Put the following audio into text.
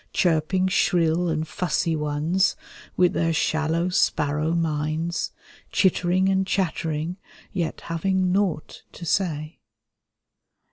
Chirping shrill and fussy ones, with their shallow spar row minds. Cluttering and chattering, yet having naught to say.